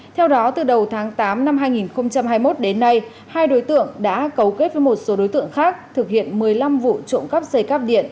theo đó từ đầu tháng tám năm hai nghìn hai mươi một đến nay hai đối tượng đã cấu kết với một số đối tượng khác thực hiện một mươi năm vụ trộm cắp dây cắp điện